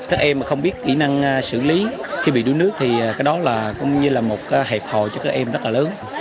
các em không biết kỹ năng xử lý khi bị đuối nước thì cái đó cũng như là một hẹp hội cho các em rất là lớn